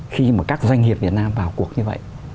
khi mà các doanh nghiệp việt nam vào cuộc như vậy